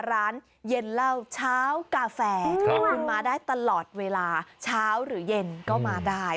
ร้านเย็นเหล้าเช้ากาแฟคุณมาได้ตลอดเวลาเช้าหรือเย็นก็มาได้